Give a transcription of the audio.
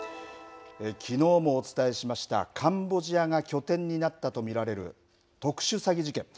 きのうもお伝えしました、カンボジアが拠点になったと見られる特殊詐欺事件。